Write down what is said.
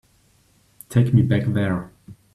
Take me back there.